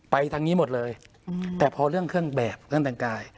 ทางนี้หมดเลยแต่พอเรื่องเครื่องแบบเรื่องแต่งกาย